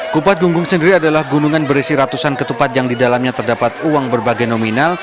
kupat gunggung sendiri adalah gunungan berisi ratusan ketupat yang didalamnya terdapat uang berbagai nominal